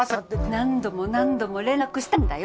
何度も何度も連絡したんだよ！